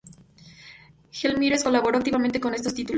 Gelmírez colaboró activamente con estos últimos.